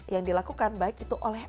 yang dilakukan baik itu oleh